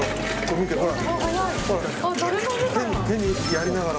見て、ほら。